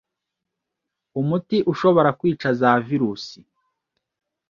umuti ushobora kwica za virusi.